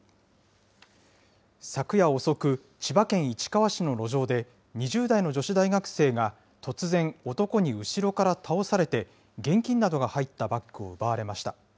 昨夜遅く、千葉県市川市の路上で、２０代の女子大学生が突然、男に後ろから倒されて、現金などが入ったバッグを奪われました。